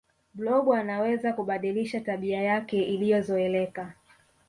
blob anaweza kubadilisha tabia yake iliyozoeleka